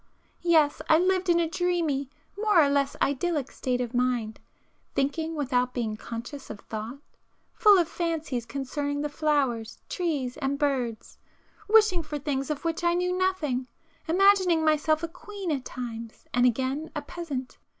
—yes, I lived in a dreamy, more or less idyllic state of mind, thinking without being conscious of thought, full of fancies concerning the flowers, trees and birds,—wishing for things of which I knew nothing,—imagining myself a queen at times, and again, a peasant.